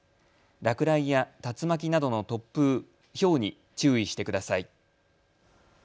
落雷や竜巻などの突風、ひょうに注意してください。